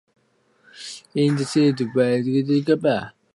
In the end, Slate refuses to trust Fred and Barney again.